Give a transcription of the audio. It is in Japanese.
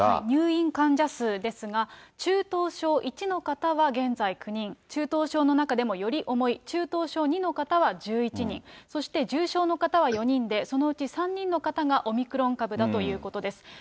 入院患者数ですが、中等症１の方は現在９人、中等症の中でもより重い中等症２の方は１１人、そして重症の方は４人で、そのうち３人の方がオミクロン株だということです。